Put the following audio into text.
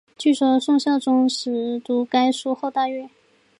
据说宋孝宗读该书后大悦。